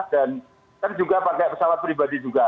dan juga pakai pesawat pribadi juga